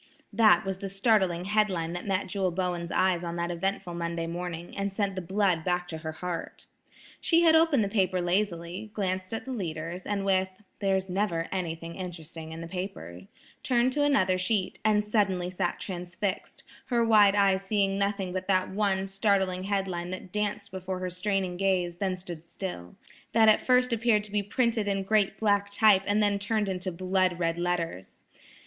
That was the startling head line that met Jewel Bowen's eyes on that eventful Monday morning, and sent the blood back to her heart. She had opened the paper lazily, glanced at the leaders, and with, "There's never anything interesting in the paper," turned to another sheet, and suddenly sat transfixed, her wide eyes seeing nothing but that one startling head line that danced before her straining gaze, then stood still,–that at first appeared to be printed in great black type and then turned into blood red letters!